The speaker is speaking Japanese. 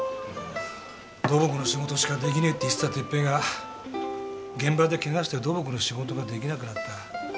土木の仕事しかできねえって言ってた哲平が現場でケガして土木の仕事ができなくなった。